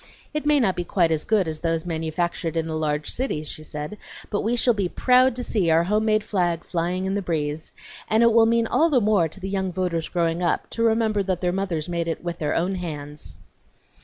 "It may not be quite as good as those manufactured in the large cities," she said, "but we shall be proud to see our home made flag flying in the breeze, and it will mean all the more to the young voters growing up, to remember that their mothers made it with their own hands."